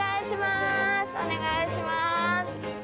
お願いします。